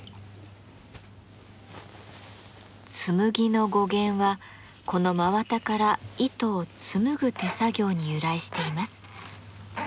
「紬」の語源はこの真綿から糸を紡ぐ手作業に由来しています。